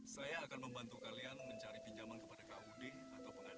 saya akan membantu kalian mencari pinjaman kepada kud atau pegadaian